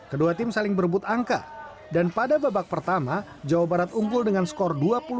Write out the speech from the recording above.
kedua tim saling berebut angka dan pada babak pertama jawa barat ungkul dengan skor dua puluh dua dua puluh